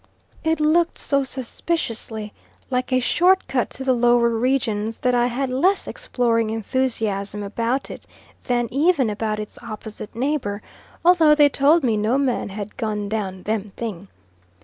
It looked so suspiciously like a short cut to the lower regions, that I had less exploring enthusiasm about it than even about its opposite neighbour; although they told me no man had gone down "them thing."